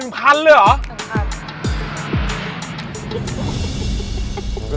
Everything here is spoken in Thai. ๑๐๐๐บาทเลยหรือ